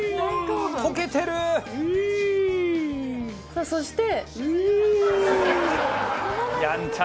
さあそして。